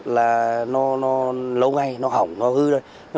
là nó lâu ngày nó hỏng nó hư rồi